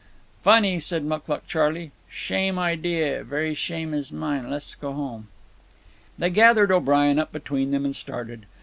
"Funny," said Mucluc Charley. "Shame idea—very shame as mine. Le's go home." They gathered O'Brien up between them and started.